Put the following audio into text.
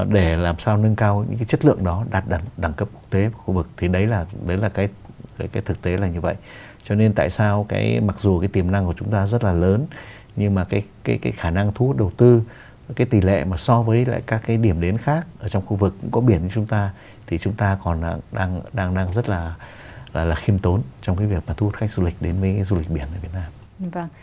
để làm sao nâng cao những cái chất lượng đó đạt đẳng cấp quốc tế và khu vực thì đấy là cái thực tế là như vậy cho nên tại sao mặc dù cái tiềm năng của chúng ta rất là lớn nhưng mà cái khả năng thu hút đầu tư cái tỷ lệ mà so với các cái điểm đến khác trong khu vực cũng có biển như chúng ta thì chúng ta còn đang rất là khiêm tốn trong cái việc thu hút khách du lịch đến với du lịch biển ở việt nam